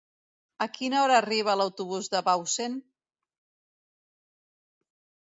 A quina hora arriba l'autobús de Bausen?